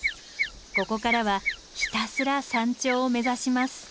ここからはひたすら山頂を目指します。